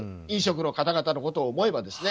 飲食の方々のことを思えば。